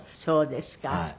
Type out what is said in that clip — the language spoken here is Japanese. そうですか。